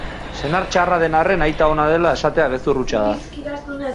Senar txarra den arren aita ona dela esatea gezur hutsa da.